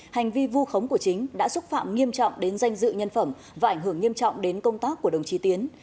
hành vi vu khống của chính đã xúc phạm nghiêm trọng đến danh dự nhân phẩm và ảnh hưởng nghiêm trọng đến công tác của đồng chí tiến